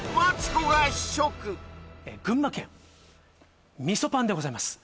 群馬県みそパンでございます